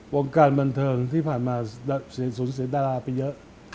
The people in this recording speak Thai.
วงการบันเทิงที่ผ่านมาสูญเสียดาราไปเยอะ